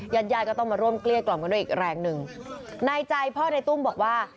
ยายก็ต้องมาร่วมเกลี้ยกล่อมกันด้วยอีกแรงหนึ่งนายใจพ่อในตุ้มบอกว่า